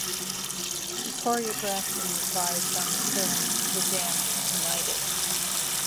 He choreographed and advised on the film "The Damned United".